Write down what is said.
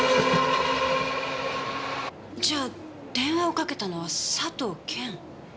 じゃあ電話をかけたのは佐藤謙？